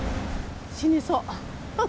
死にそう。